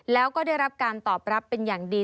แล้วก็ได้รับการตอบรับเป็นอย่างดี